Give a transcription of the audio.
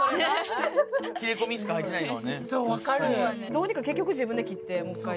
どうにか結局自分で切ってもう一回。